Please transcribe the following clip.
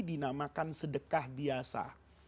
dinamakan sedekah biasa